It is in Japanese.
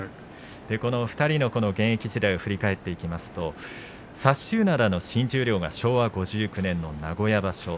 ２人の現役時代を振り返っていきますと薩洲洋の新十両は昭和５９年の名古屋場所。